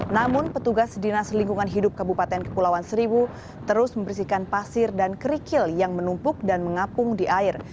namun petugas dinas lingkungan hidup kabupaten kepulauan seribu terus membersihkan pasir dan kerikil yang menumpuk dan mengapung di air